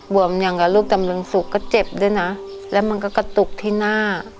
วมอย่างกับลูกดำรงสุกก็เจ็บด้วยนะแล้วมันก็กระตุกที่หน้า